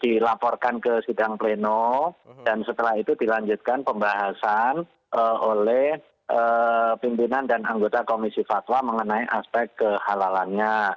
dilaporkan ke sidang pleno dan setelah itu dilanjutkan pembahasan oleh pimpinan dan anggota komisi fatwa mengenai aspek kehalalannya